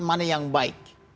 mana yang baik